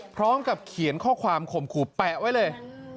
พร้อมกับเขียนข้อความข่มขู่แปะไว้เลย